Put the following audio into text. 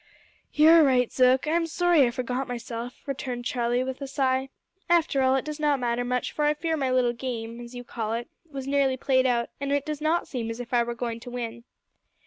"You are right, Zook. I'm sorry I forgot myself," returned Charlie, with a sigh. "After all, it does not matter much, for I fear my little game as you call it was nearly played out, and it does not seem as if I were going to win."